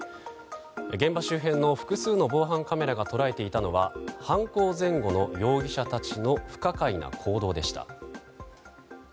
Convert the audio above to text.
現場周辺の複数の防犯カメラが捉えていたのは犯行前後の容疑者たちの不可解な行動でした。